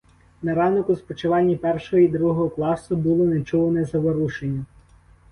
На ранок у спочивальні першого і другого класу було нечуване заворушення.